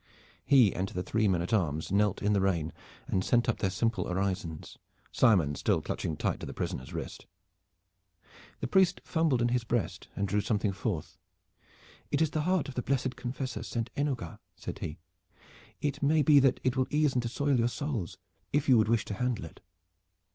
He and the three men at arms knelt in the rain and sent up their simple orisons, Simon still clutching tight to his prisoner's wrist. The priest fumbled in his breast and drew something forth. "It is the heart of the blessed confessor Saint Enogat," said he. "It may be that it will ease and assoil your souls if you would wish to handle it."